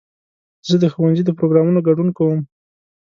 زه د ښوونځي د پروګرامونو ګډون کوم.